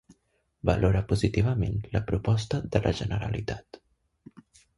Valora positivament la proposta de la Generalitat.